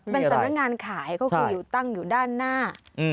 เป็นสำนักงานขายก็คืออยู่ตั้งอยู่ด้านหน้า